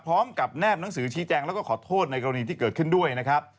แนบหนังสือชี้แจงแล้วก็ขอโทษในกรณีที่เกิดขึ้นด้วยนะครับ